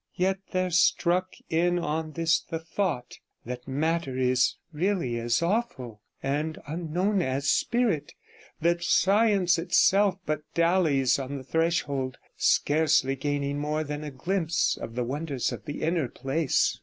Yet there struck in on this the thought that matter is as really awful and unknown as spirit, that science itself but dallies on the threshold, scarcely gaining more than a glimpse of the wonders of the inner place.